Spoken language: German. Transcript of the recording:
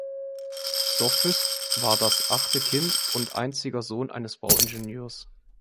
Sopwith war das achte Kind und einziger Sohn eines Bau-Ingenieurs.